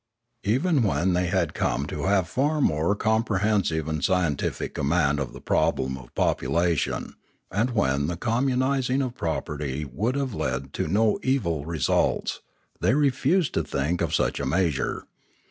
Even when they had come to have a far more com Polity 529 prehensive and scientific command of the problem of population, and when the communising of property would have led to no evil results, they refused to think of such a measure.